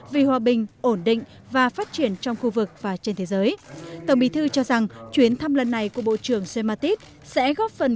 vì hòa bình ổn định và phát triển trong khu vực và trên thế giới tổng bí thư cho rằng chuyến thăm lần này của bộ trưởng james mattis sẽ góp phần